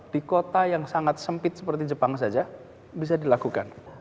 di kota yang sangat sempit seperti jepang saja bisa dilakukan